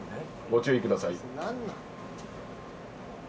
ご注意ください。